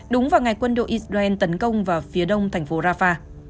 đúng vào ngày quân đội israel tấn công vào phía đông thành phố rafah